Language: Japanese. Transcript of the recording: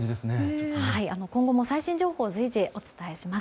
今後も最新情報を随時お伝えします。